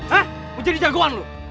hah mau jadi jagoan loh